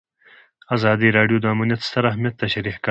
ازادي راډیو د امنیت ستر اهميت تشریح کړی.